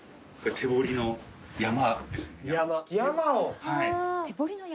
手彫りの山？